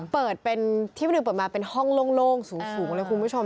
เปิดเป็นที่เป็นห้องโล่งสูงเลยคุณผู้ชม